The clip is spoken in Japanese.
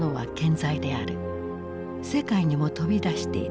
世界にも飛び出している。